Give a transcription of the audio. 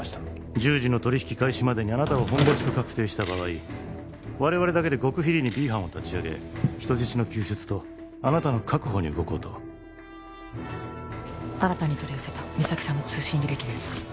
１０時の取引開始までにあなたをホンボシと確定した場合我々だけで極秘裏に Ｂ 班を立ち上げ人質の救出とあなたの確保に動こうと新たに取り寄せた実咲さんの通信履歴です